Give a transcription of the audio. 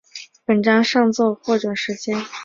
本章上奏获准的时间是元嘉三年六月十八日。